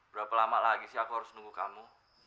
berapa lama lagi sih aku harus nunggu kamu